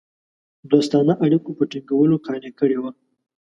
دوستانه اړېکو په ټینګولو قانع کړي وه.